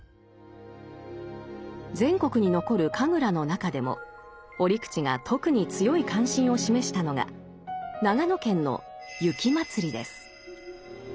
全国に残る神楽の中でも折口が特に強い関心を示したのが長野県の雪祭です。